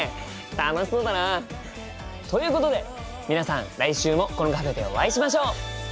楽しそうだな！ということで皆さん来週もこのカフェでお会いしましょう！